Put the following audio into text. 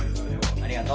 ありがとう。